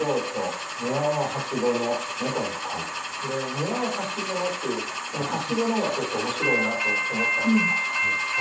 「庭をはしごの」っていうこの「はしごの」がちょっと面白いなと思ったんですよ。